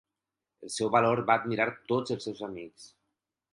El seu valor va admirar tots els seus amics.